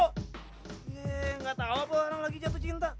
eh gak tau po orang lagi jatuh cinta